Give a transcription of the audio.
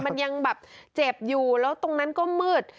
มันยังแบบเจ็บอยู่แล้วตรงนั้นก็มืด